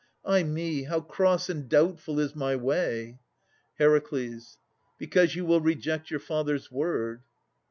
Ay me! how cross and doubtful is my way! HER. Because you will reject your father's word.